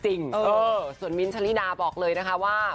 เออส่วนมิ้นท์ชะลิดาบอกเลยนะคะว่า